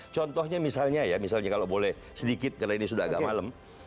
contohnya misalnya ya misalnya kalau boleh sedikit karena ini sudah agak malem